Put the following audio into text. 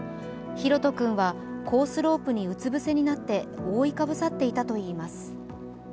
大翔君はコースロープにうつぶせになって覆いかぶさっていたといいます。